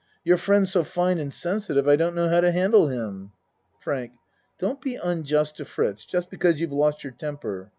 You're friend's so fine and sensitive I don't know how to handle him. FRANK Don't be unjust to Fritz just because you've lost your temper.